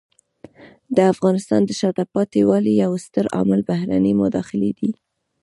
د افغانستان د شاته پاتې والي یو ستر عامل بهرنۍ مداخلې دي.